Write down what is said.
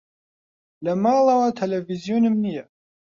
لە ماڵەوە تەلەڤیزیۆنم نییە.